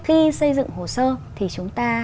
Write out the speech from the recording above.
khi xây dựng hồ sơ thì chúng ta